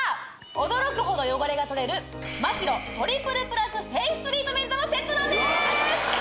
驚くほど汚れが取れるマ・シロトリプルプラスフェイストリートメントもセットなんです